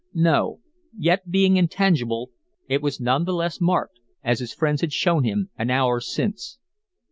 No. Yet, being intangible, it was none the less marked, as his friends had shown him an hour since.